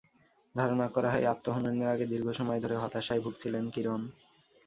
ধারণা করা হয়, আত্মহননের আগে দীর্ঘ সময় ধরে হতাশায় ভুগছিলেন কিরণ।